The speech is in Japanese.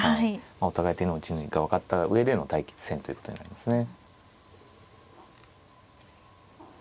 お互い手の内が分かった上での対戦ということになりますね。